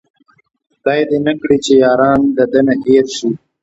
خداې دې نه کړي چې ياران د ده نه هير شي